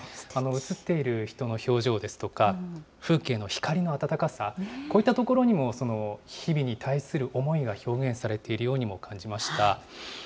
写っている人の表情ですとか、風景の光の温かさ、こういったところにも日々に対する思いが表現されているようにも感じました。